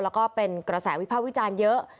แล้วก็เป็นกระแสวิภาควิจารณ์เยอะ